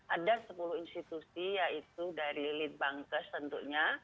ada sepuluh institusi yaitu dari lead bankers tentunya